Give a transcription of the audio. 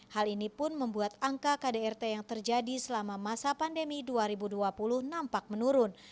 hal ini pun membuat angka kdrt yang terjadi selama masa pandemi dua ribu dua puluh nampak menurun